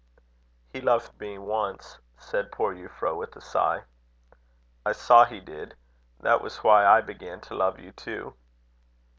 "He loved me once," said poor Euphra, with a sigh. "I saw he did. That was why I began to love you too."